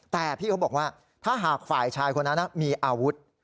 แต่พี่เขาบอกว่าถ้าหากฝ่ายชายคนนั้นมีอาวุธ